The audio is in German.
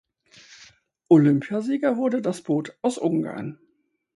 Olympiasieger wurde das Boot aus Ungarn.